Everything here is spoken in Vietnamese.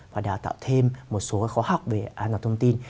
và đào tạo thêm một số khóa học về an toàn thông tin